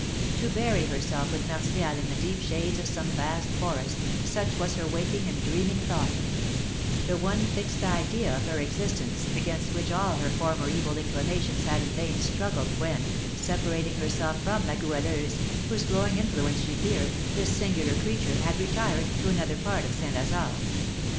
To bury herself with Martial in the deep shades of some vast forest, such was her waking and dreaming thought, the one fixed idea of her existence, against which all her former evil inclinations had in vain struggled when, separating herself from La Goualeuse, whose growing influence she feared, this singular creature had retired to another part of St. Lazare.